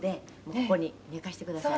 「ここに寝かせてくださる？」